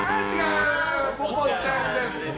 ぽぽちゃんです。